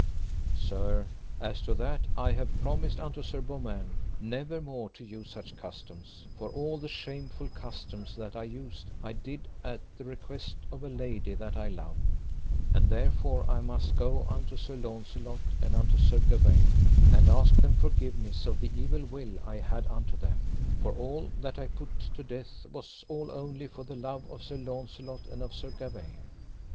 Sir, as to that, I have promised unto Sir Beaumains never more to use such customs, for all the shameful customs that I used I did at the request of a lady that I loved; and therefore I must go unto Sir Launcelot, and unto Sir Gawaine, and ask them forgiveness of the evil will I had unto them; for all that I put to death was all only for the love of Sir Launcelot and of Sir Gawaine.